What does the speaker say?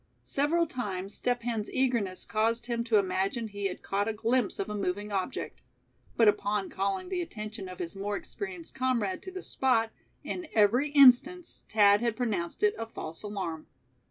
Several times Step Hen's eagerness caused him to imagine he had caught a glimpse of a moving object; but upon calling the attention of his more experienced comrade to the spot, in every instance Thad had pronounced it a false alarm.